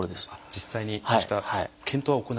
実際にそうした検討は行われている。